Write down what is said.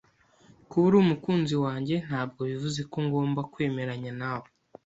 Kuba uri umukunzi wanjye ntabwo bivuze ko ngomba kwemeranya nawe.